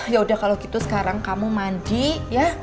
yaudah kalau gitu sekarang kamu mandi ya